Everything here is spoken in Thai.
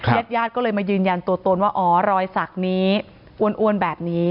เย็ดยาดก็เลยมายืนยันตัวตนว่าอ๋อรอยศักดิ์นี้อ้วนแบบนี้